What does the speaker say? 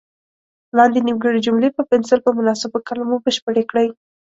لاندې نیمګړې جملې په پنسل په مناسبو کلمو بشپړې کړئ.